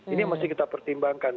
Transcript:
ini yang mesti kita pertimbangkan